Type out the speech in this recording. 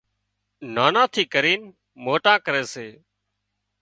نانان ٿي ڪرينَ موٽان ڪري سي